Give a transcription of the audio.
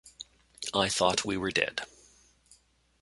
I thought we were dead.